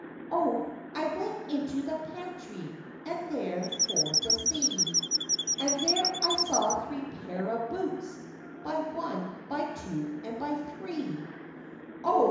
O! I went into the pantry, and there for to see, And there I saw three pair of boots, by one, by two, and by three; O!